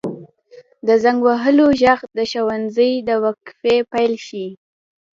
• د زنګ وهلو ږغ د ښوونځي د وقفې پیل ښيي.